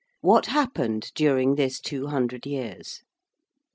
What happened during this two hundred years?